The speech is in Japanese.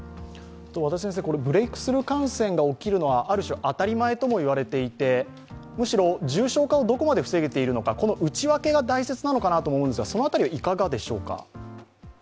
ブレークスルー感染が起きるのは当たり前とも言われていてむしろ重症化をどこまで防げているのか、内訳が大切だと思いますがいかがでしょうか？